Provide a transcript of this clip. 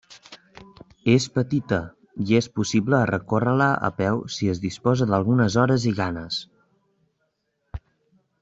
És petita, i és possible recórrer-la a peu si es disposa d'algunes hores i ganes.